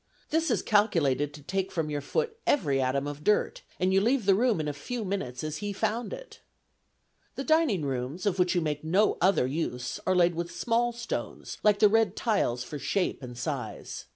This is calculated to take from your foot every atom of dirt, and leave the room in a few moments as he found it. The dining rooms, of which you make no other use, are laid with small stones, like the red tiles for shape and size.